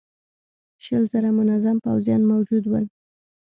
شل زره منظم پوځيان موجود ول.